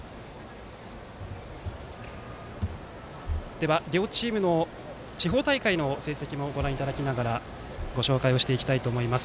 では両チームの地方大会の成績もご覧いただきながらご紹介していきたいと思います。